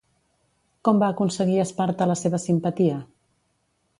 Com va aconseguir Esparta la seva simpatia?